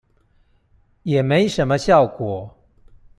也沒什麼效果